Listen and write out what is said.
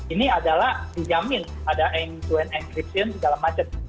ini adalah dijamin ada end to end encryption di dalam macet